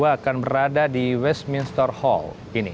akan berada di westminster hall ini